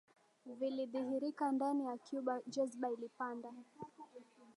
vilidhihirika ndani ya Cuba Jazba ilipanda